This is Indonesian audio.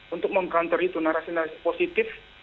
untuk menggantar itu narasi narasi positif